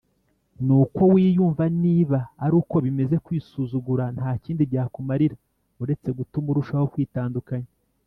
ni uko wiyumva Niba ari uko bimeze kwisuzugura nta kindi byakumarira uretse gutuma urushaho kwitandukanya